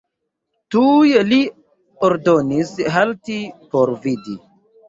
Tuj li ordonis halti por vidi.